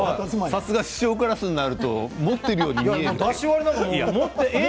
さすが師匠クラスになるとエアでも持っているように見えますよね。